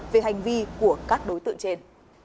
về hành vi của các đối tượng trên